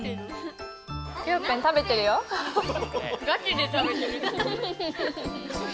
ガチでたべてる。